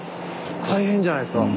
大変じゃないすか。